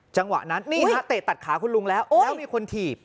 จังหวะนั้นนี่ฮะเตะตัดขาคุณลุงแล้วแล้วมีคนถีบ